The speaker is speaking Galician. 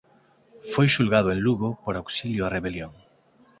Foi xulgado en Lugo por auxilio á rebelión.